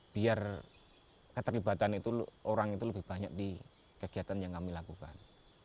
biar keterlibatan itu orang itu lebih banyak di kegiatan yang kami lakukan